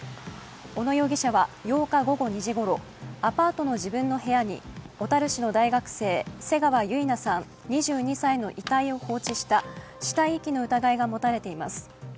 小野容疑者は８日午後２時ごろ、アパートの自分の部屋に小樽市の大学生、瀬川結菜さん２２歳の遺体を放置した死体遺棄の疑いが持たれています。